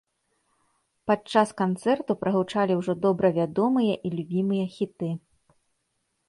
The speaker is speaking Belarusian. Падчас канцэрту прагучалі ўжо добра вядомыя і любімыя хіты.